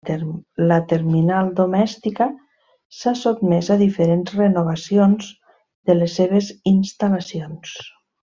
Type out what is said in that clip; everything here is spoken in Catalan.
La terminal Domèstica s'ha sotmès a diferents renovacions de les seves instal·lacions.